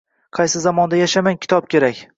Qaysi zamonda yashamang kitob kerak.